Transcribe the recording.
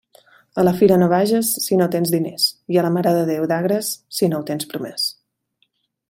A la fira no vages si no tens diners, i a la Mare de Déu d'Agres si no ho tens promés.